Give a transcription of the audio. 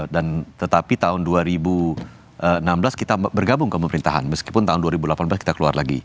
dan tetapi tahun dua ribu enam belas kita bergabung ke pemerintahan meskipun tahun dua ribu delapan belas kita keluar lagi